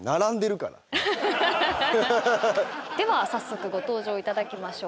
では早速ご登場いただきましょう。